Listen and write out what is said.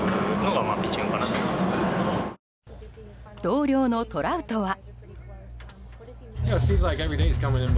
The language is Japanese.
同僚のトラウトは。